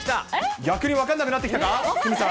逆に分かんなくなってきたか、鷲見さん。